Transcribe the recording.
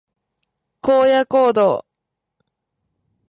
荒野行動